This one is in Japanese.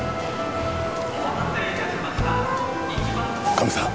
カメさん。